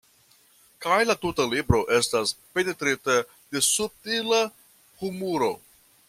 Kaj la tuta libro estas penetrita de subtila humuro.